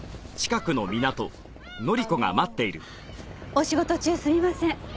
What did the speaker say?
お仕事中すみません。